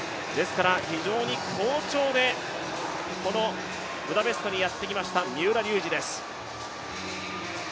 ですから、非常に好調でこのブダペストにやってきました、三浦龍司です。